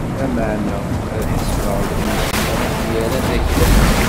Lameɛna, ad ḥasbeɣ lǧens-nni i ten-irran d aklan.